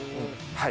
はい。